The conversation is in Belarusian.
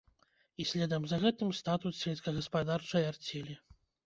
І следам за гэтым статут сельскагаспадарчай арцелі.